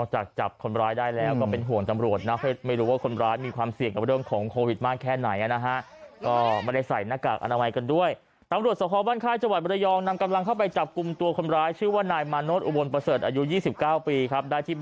ฮะจะไปรู้ว่านี่จะไม่รอดนะฮะเอาไปดูภาพครับ